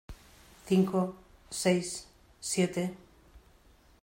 cinco, seis , siete